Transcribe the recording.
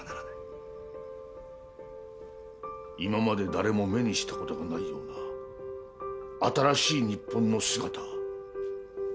今まで誰も目にした事のないような新しい日本の姿ですか？